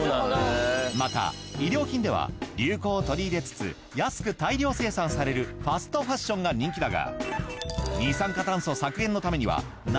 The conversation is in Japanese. また衣料品では流行を取り入れつつ安く大量生産されるファストファションが人気だが。